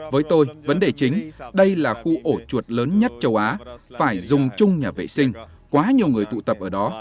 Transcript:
với tôi vấn đề chính đây là khu ổ chuột lớn nhất châu á phải dùng chung nhà vệ sinh quá nhiều người tụ tập ở đó